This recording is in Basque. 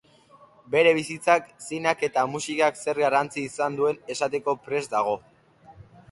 Bere bizitzak zineak eta musikak zer garrantzi izan duen esateko prest dago.